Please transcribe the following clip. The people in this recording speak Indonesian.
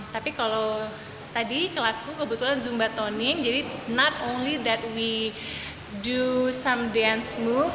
tapi kalau tadi kelas ku kebetulan zumbatoning jadi tidak hanya kita melakukan beberapa gerakan